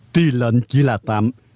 tuy lệnh chỉ là tạm